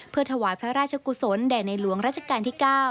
เพื่อถวายพระราชกุศลแด่ในหลวงราชการที่๙